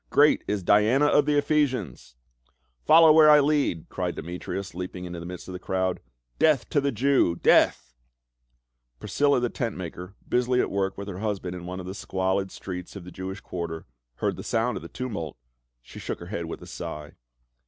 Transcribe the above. "Great is Diana of the Ephesians !"" Follow where I lead !" cried Demetrius leaping into the midst of the crowd. " Death to the Jew ! Death !" Priscilla the tent maker, busily at work with her husband in one of the squalid streets of the Jewish quarter, heard the sound of the tumult ; she shook her head with a sigh.